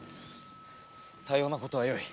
さようなことはよい。